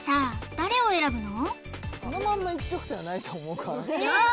誰を選ぶの？